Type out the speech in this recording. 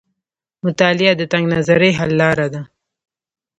مطالعه د تنګ نظرۍ حل لار ده.